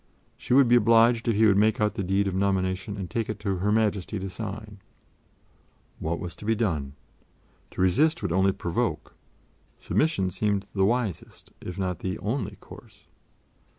She would be obliged if he would make out the deed of nomination and take it to Her Majesty to sign. What was to be done? To resist would only provoke; submission seemed the wisest, if not the only course.